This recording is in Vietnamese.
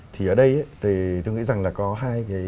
thì ở đây tôi nghĩ rằng là có hai